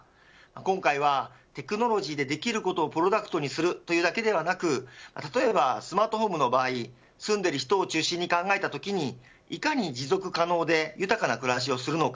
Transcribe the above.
今回はテクノロジーでできることをプロダクトにするというだけではなく例えばスマートホームの場合住んでいる人を中心に考えたときにいかに持続可能で豊かな暮らしをするのか。